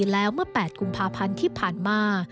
แล้วเมื่อ๘กุมภาพันธ์ที่ผ่านมา